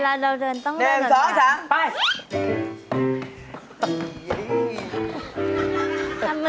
สวัสดีค่ะ